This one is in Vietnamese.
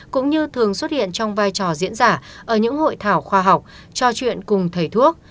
cũng như thường xuất hiện trong vai trò diễn giả ở những hội thảo khoa học trò chuyện cùng thầy thuốc